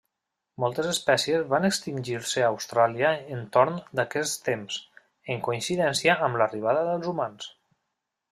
Moltes espècies van extingir-se a Austràlia entorn d'aquest temps, en coincidència amb l'arribada dels humans.